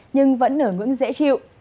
nhưng vẫn ở ngưỡng dễ chịu